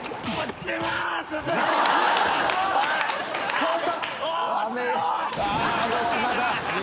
ちょっと。